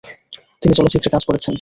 তিনি চলচ্চিত্রে কাজ করেছেন।